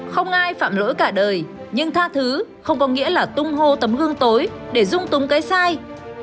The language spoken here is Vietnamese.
không ai phạm lỗi cả đời nhưng tha thứ không có nghĩa là tung hô tấm gương tối để dung túng cái sai